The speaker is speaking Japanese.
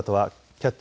「キャッチ！